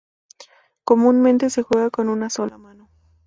Comúnmente se juega con solo una mano.